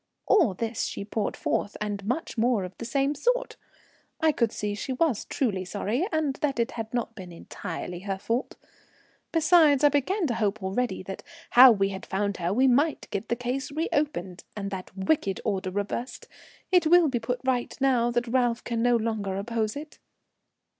"All this she poured forth, and much more of the same sort. I could see she was truly sorry, and that it had not been entirely her fault. Besides, I began to hope already that, how we had found her, we might get the case reopened, and that wicked order reversed. It will be put right now, now that Ralph can no longer oppose it."